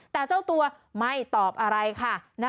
แต่เจ้าตัวไม่ตอบอะไรค่ะ